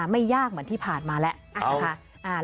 ไม่ยากเหมือนที่ผ่านมาแล้วนะคะ